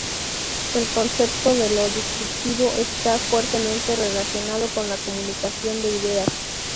El concepto de lo "discursivo" está fuertemente relacionado con la "comunicación de ideas".